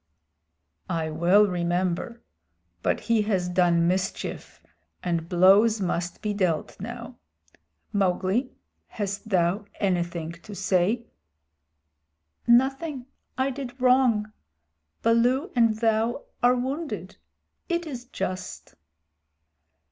"I will remember. But he has done mischief, and blows must be dealt now. Mowgli, hast thou anything to say?" "Nothing. I did wrong. Baloo and thou are wounded. It is just."